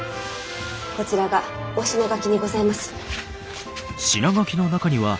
こちらがおしながきにございます。